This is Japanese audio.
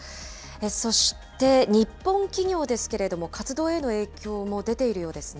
そして日本企業ですけれども、活動への影響も出ているようですね。